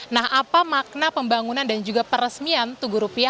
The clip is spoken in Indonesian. nah apa makna pembangunan dan juga peresmian tugu rupiah